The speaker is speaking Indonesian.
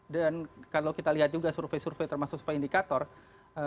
dan kalau kita lihat juga survei survei termasuk survei indikator politik indonesia